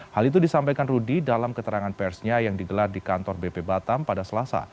hal itu disampaikan rudy dalam keterangan persnya yang digelar di kantor bp batam pada selasa